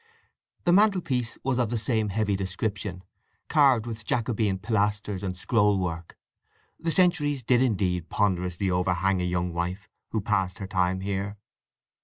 The mantelpiece was of the same heavy description, carved with Jacobean pilasters and scroll work. The centuries did, indeed, ponderously overhang a young wife who passed her time here.